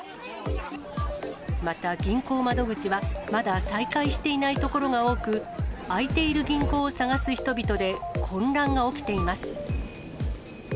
また、銀行窓口はまだ再開していない所が多く、開いている銀行を探す人々で混乱が起きています。